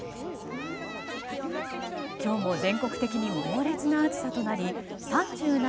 今日も全国的に猛烈な暑さとなり３７